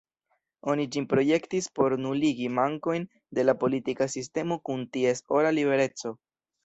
Oni ĝin projektis por nuligi mankojn de la politika sistemo kun ties ora libereco.